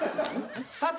さて。